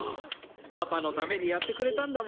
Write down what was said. パパのためにやってくれたんだもの